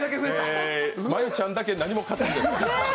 真悠ちゃんだけ何も勝てず。